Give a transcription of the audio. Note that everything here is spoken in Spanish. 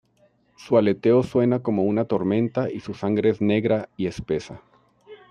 Su aleteo suena como una tormenta y su sangre es negra y espesa.